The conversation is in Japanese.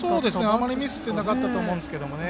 あまり見せてなかったと思うんですけどね。